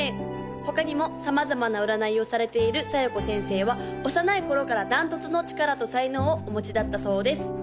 他にも様々な占いをされている小夜子先生は幼い頃から断トツの力と才能をお持ちだったそうです